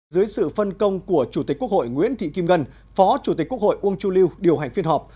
dưới sự phân công của chủ tịch quốc hội nguyễn thị kim ngân phó chủ tịch quốc hội uông chu lưu điều hành phiên họp